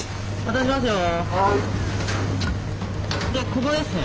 ここですね。